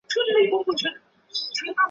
无尾蹄蝠属等之数种哺乳动物。